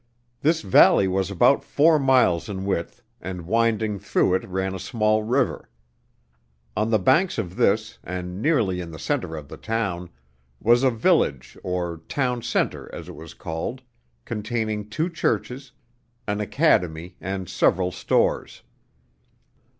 This valley was about four miles in width, and winding through it ran a small river. On the banks of this, and nearly in the center of the town, was a village, or "town center," as it was called, containing two churches, an academy and several stores.